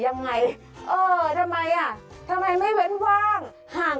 หรือยังไงเออทำไมอ่ะทำไมไม่เว้นว่าง